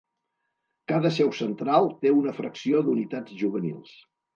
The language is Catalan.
Cada seu central té una fracció d'unitats juvenils.